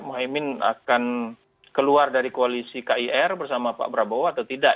mohaimin akan keluar dari koalisi kir bersama pak prabowo atau tidak